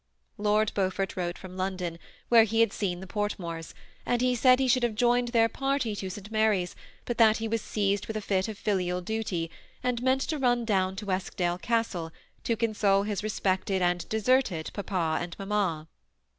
Lord Beaufort wrote from London, where he had seen the Portmores, and he said THE SEHI ATTAGSISP COUPLE, 75 be shoyld ha\;e joined their party to St. Mary's, but that he was seized with a fit of filial duty, and meant to run down to £skdale Castle, to cmisole bis respected and deserted papa and mamma.